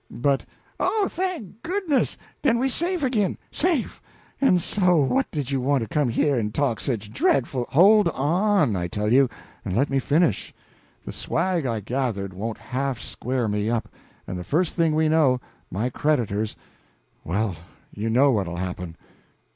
But " "Oh, thank goodness, den we's safe ag'in! safe! en so what did you want to come here en talk sich dreadful " "Hold on, I tell you, and let me finish. The swag I gathered won't half square me up, and the first thing we know, my creditors well, you know what'll happen."